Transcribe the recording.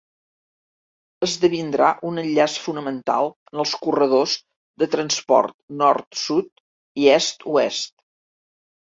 Esdevindrà un enllaç fonamental en els corredors de transport nord-sud i est-oest.